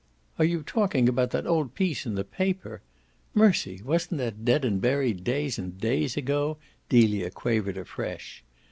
"Are you talking about that old piece in the paper? Mercy, wasn't that dead and buried days and days ago?" Delia quavered afresh.